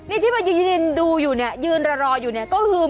นี่ที่มันยืนดูอยู่นะยืนรออยู่นะก็คือ